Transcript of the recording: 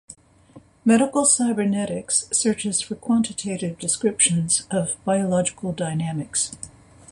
Medical cybernetics searches for quantitative descriptions of biological dynamics.